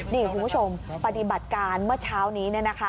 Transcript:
นี่คุณผู้ชมปฏิบัติการเมื่อเช้านี้